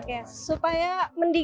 tapi hadapi ada yang persyarat